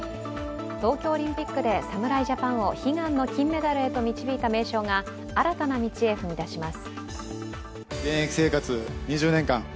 東京オリンピックで侍ジャパンを悲願の金メダルへと導いた名匠が新たな道へ踏み出します。